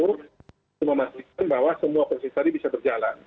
untuk memastikan bahwa semua proses tadi bisa berjalan